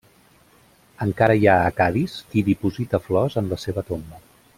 Encara hi ha a Cadis, qui diposita flors en la seva tomba.